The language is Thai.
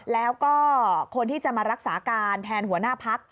แล้วก็คนที่จะมารักษาการแทนหัวหน้าพัก